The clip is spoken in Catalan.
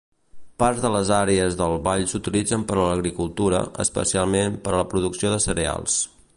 Parts de les àrees del vall s'utilitzen per a l'agricultura, especialment per a la producció de cereals.